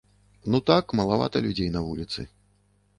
Ну так, малавата людзей на вуліцы.